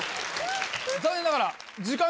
残念ながら。